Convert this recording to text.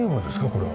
これは。